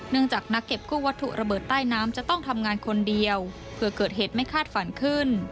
จากนักเก็บกู้วัตถุระเบิดใต้น้ำจะต้องทำงานคนเดียวเผื่อเกิดเหตุไม่คาดฝันขึ้น